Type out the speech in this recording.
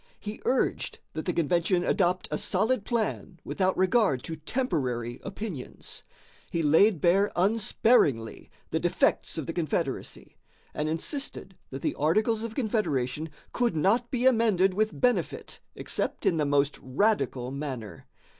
He urged that the convention "adopt a solid plan without regard to temporary opinions." He laid bare unsparingly the defects of the confederacy, and insisted that the Articles of Confederation could not be amended with benefit except in the most radical manner.